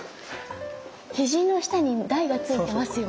肘の下に台がついてますよ。